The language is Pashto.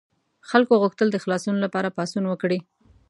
خلکو غوښتل د خلاصون لپاره پاڅون وکړي.